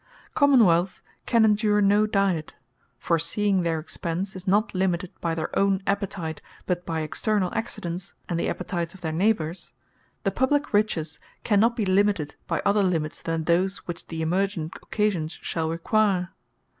Common wealths can endure no Diet: For seeing their expence is not limited by their own appetite, but by externall Accidents, and the appetites of their neighbours, the Publique Riches cannot be limited by other limits, than those which the emergent occasions shall require.